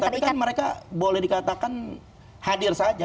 tapi kan mereka boleh dikatakan hadir saja